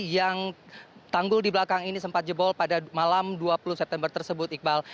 yang tanggul di belakang ini sempat jebol pada malam dua puluh september tersebut iqbal